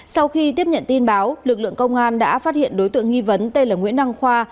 sau khi tiếp nhận tin báo lực lượng công an đã phát hiện đối tượng nghi vấn tên là nguyễn đăng khoa